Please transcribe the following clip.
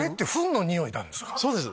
そうです